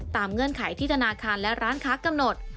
เงื่อนไขที่ธนาคารและร้านค้ากำหนด